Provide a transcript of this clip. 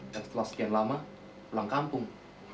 dan setelah sekian lama pulang kampung